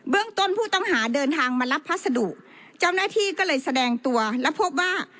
ต้นผู้ต้องหาเดินทางมารับพัสดุเจ้าหน้าที่ก็เลยแสดงตัวและพบว่า